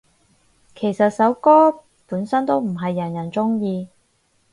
其實首歌本身都唔係人人鍾意